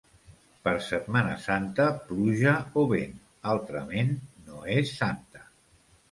Per Setmana Santa, pluja o vent; altrament, no és santa.